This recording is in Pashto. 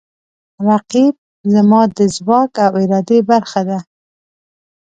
رقیب زما د ځواک او ارادې برخه ده